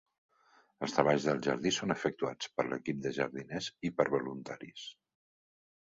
Els treballs del jardí són efectuats per l'equip de jardiners i per voluntaris.